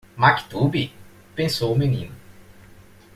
Maktub? pensou o menino.